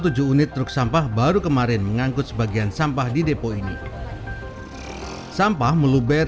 tujuh unit truk sampah baru kemarin mengangkut sebagian sampah di depo ini sampah meluber